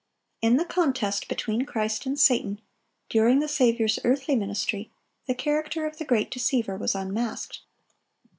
In the contest between Christ and Satan, during the Saviour's earthly ministry, the character of the great deceiver was unmasked.